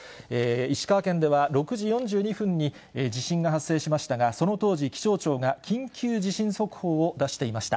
石川県では６時４２分に地震が発生しましたが、その当時、気象庁が緊急地震速報を出していました。